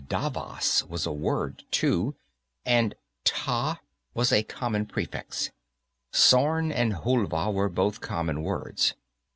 Davas, was a word, too, and _ta _ was a common prefix; sorn and hulva were both common words.